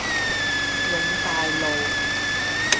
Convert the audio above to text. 永大路